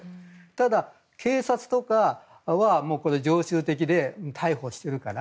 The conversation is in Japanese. ただ、警察とかは常習的で逮捕してるから